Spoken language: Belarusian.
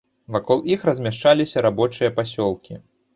Вакол іх размяшчаліся рабочыя пасёлкі.